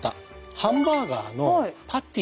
ハンバーガーのパティ。